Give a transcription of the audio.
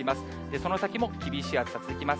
その先も厳しい暑さ続きます。